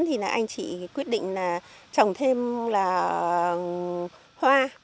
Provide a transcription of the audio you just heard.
thì là anh chị quyết định là trồng thêm là hoa